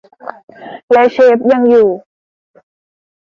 และเชฟยังอยู่